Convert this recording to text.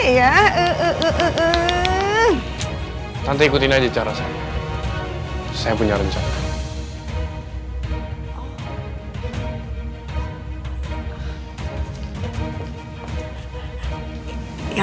ya tante ikutin aja cara saya saya punya rencana